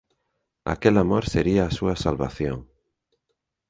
Aquel amor sería a súa salvación